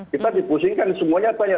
kita dipusingkan semuanya tanya